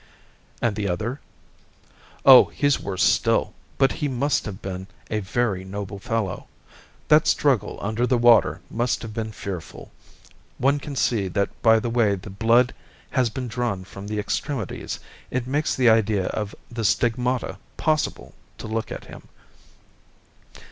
"And the other?" "Oh, he's worse still. But he must have been a very noble fellow. That struggle under the water must have been fearful; one can see that by the way the blood has been drawn from the extremities. It makes the idea of the Stigmata possible to look at him.